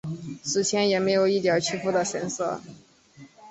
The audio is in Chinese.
死前也没有一点屈服的神色。